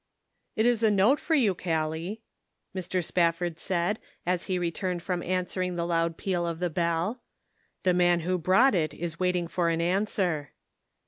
is a note for you, Callie," Mr. Spafford said, as he returned from answering the loud peal of the bell. " The man who brought it is waiting for an answer."